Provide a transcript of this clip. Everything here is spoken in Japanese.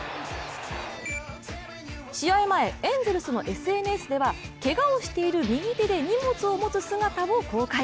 試合前、エンゼルスのＳＮＳではけがをしている右手で荷物を持つ姿を公開。